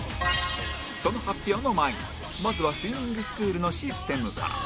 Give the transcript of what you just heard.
その発表の前にまずはスイミングスクールのシステムから